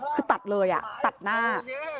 คือตัดเลยตัดหน้า